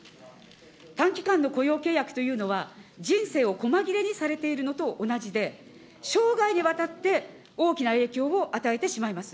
短期間の雇用契約というのは、人生を細切れにされているのと同じで、生涯にわたって、大きな影響を与えてしまいます。